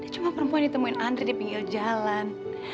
cuma perempuan ditemuin andri di pinggir jalan